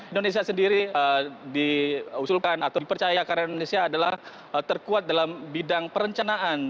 indonesia sendiri diusulkan atau dipercaya karena indonesia adalah terkuat dalam bidang perencanaan